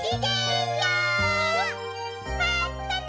まったね！